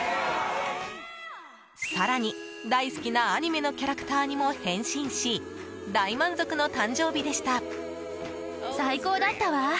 更に、大好きなアニメのキャラクターにも変身し大満足の誕生日でした！